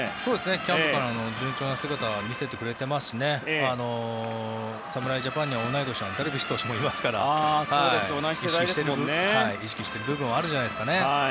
キャンプからの順調な姿を見せてくれていますし侍ジャパンには、同い年のダルビッシュ投手もいますから意識している部分もあるんじゃないですかね。